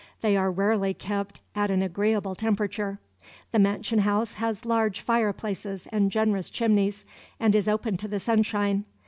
They are rarely kept at an agreeable temperature. The mansion house has large fireplaces and generous chimneys, and is open to the sunshine.